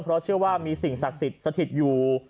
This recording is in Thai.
เพราะเชื่อว่ามีสิ่งศักดิ์สถิตย์อยู่